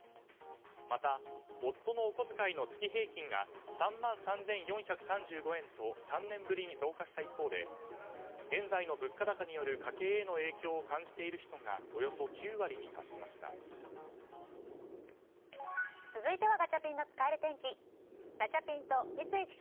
また、夫のお小遣いの月平均が３万３４３５円と３年ぶりの増加した一方で現在の物価高による家計への影響を感じている人が続いてはガチャピンの使える天気。